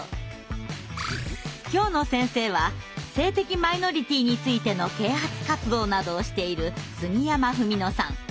今日の先生は性的マイノリティーについての啓発活動などをしている杉山文野さん。